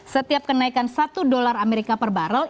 setiap kenaikan satu dolar amerika per barrel